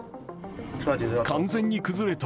完全に崩れた。